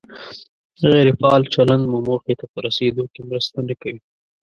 غیر فعال چلند مو موخې ته په رسېدو کې مرسته نه کوي.